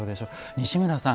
西村さん